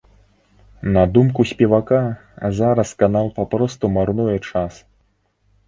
На думку спевака, зараз канал папросту марнуе час.